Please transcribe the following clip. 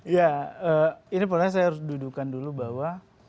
ya ini pertanyaan saya harus dudukan dulu bahwa